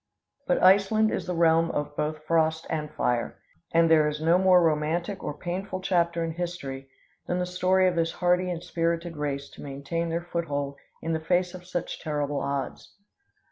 But Iceland is the realm of both frost and fire; and there is no more romantic or painful chapter in history than the story of this hardy and spirited race to maintain their foothold in the face of such terrible odds.